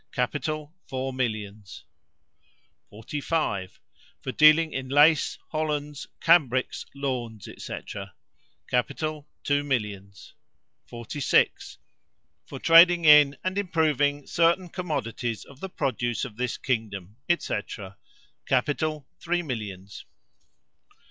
Capital four millions. 45. For dealing in lace, hollands, cambrics, lawns, &c. Capital, two millions. 46. For trading in and improving certain commodities of the produce of this kingdom, &c. Capital three millions.